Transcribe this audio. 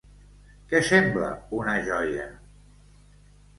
Què sembla una joia?